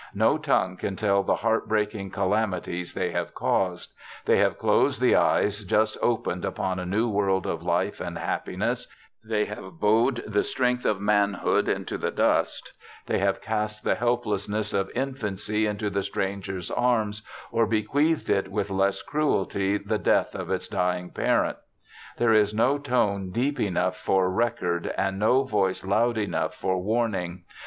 No tongue can tell the heart breaking calami ties they have caused ; they have closed the eyes just opened upon a new world of life and happiness ; the}' have bowed the strength of manhood into the dust ; they have cast the helplessness of infancy into the stranger's arms, or bequeathed it with less cruelty the death of its dying parent. There is no tone deep enough for record, and no voice loud enough for warnmg.